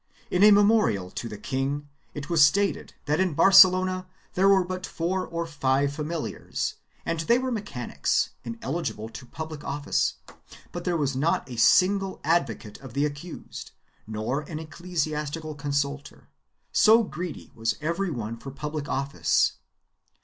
In a memorial to the king it was stated that in Barcelona there were but four or five familiars, and they were mechanics, ineligible to public office; there was not a single advocate of the accused, nor an ecclesiastical coiisultor, so greedy was every one for public office.